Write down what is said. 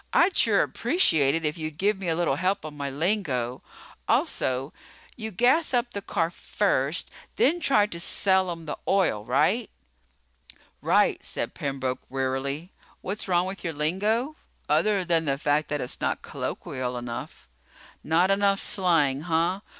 "I'd sure appreciate it if you'd give me a little help on my lingo. Also, you gas up the car first, then try to sell 'em the oil right?" "Right," said Pembroke wearily. "What's wrong with your lingo? Other than the fact that it's not colloquial enough." "Not enough slang, huh?